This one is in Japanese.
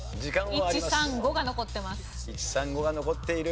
１３５が残っている。